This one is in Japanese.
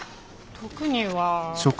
特には。